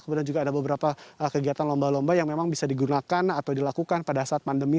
kemudian juga ada beberapa kegiatan lomba lomba yang memang bisa digunakan atau dilakukan pada saat pandemi